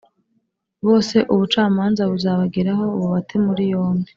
bose ubucamanza buzabageraho bubate muriyombi